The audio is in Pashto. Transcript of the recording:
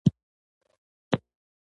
د قرغیو ولسوالۍ ګرمه ده